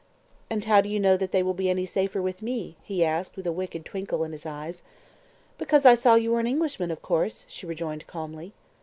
"And how do you know that they will be any safer with me?" he asked, with a wicked twinkle in his eyes. "Because I saw you were an Englishman, of course," she rejoined calmly.